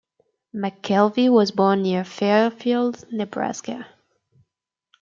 McKelvie was born near Fairfield, Nebraska.